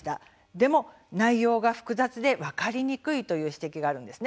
でも内容が複雑で分かりにくいという指摘があるんです。